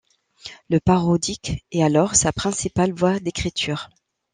Le parodique est alors sa principale voie d’écriture.